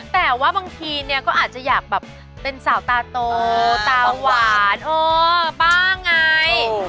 แต่ว่าบางทีเนี่ยก็อาจจะอยากแบบเป็นสาวตาโตตาหวานเออบ้างไง